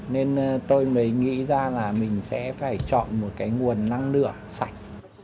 nên tôi mới nghĩ ra là mình sẽ phải chọn một cái nguồn năng lượng sạch